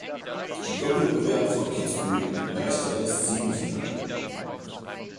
Im Doppelbewerb von Kitzbühel erreichte er das Semifinale.